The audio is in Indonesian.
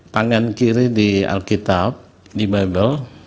tangan kiri di alkitab di mebel